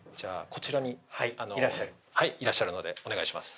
いらっしゃるのでお願いします。